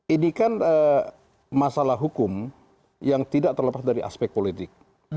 ini kan masalah hukum yang tidak terlepas dari aspek politik